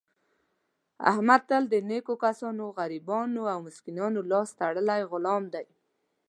احمد تل د نېکو کسانو، غریبانو او مسکینانو لاس تړلی غلام دی.